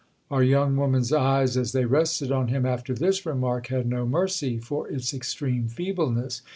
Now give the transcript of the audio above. Our young woman's eyes, as they rested on him after this remark, had no mercy for its extreme feebleness.